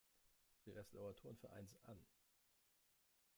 Breslauer Turnvereins" an.